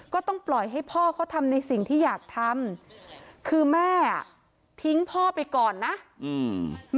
ก็ต้องปล่อยให้พ่อเขาทำในสิ่งที่อยากทำคือแม่อ่ะทิ้งพ่อไปก่อนนะอืม